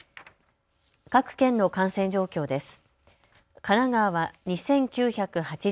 各県の感染状況です。